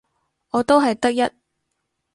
我都係得一